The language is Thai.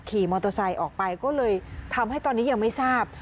ขี่มอเตอร์ไซค์ออกไปก็เลยทำให้ตอนนี้ยังไม่ทราบ